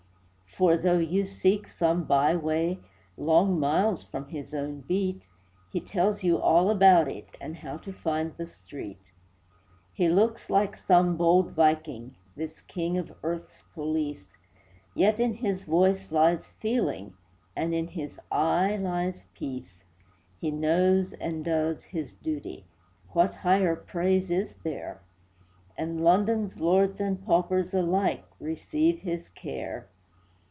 For, though you seek some by way Long miles from his own beat, He tells you all about it, And how to find the street. He looks like some bold Viking, This king of earth's police— Yet in his voice lies feeling, And in his eye lies peace; He knows and does his duty— (What higher praise is there?) And London's lords and paupers Alike receive his care.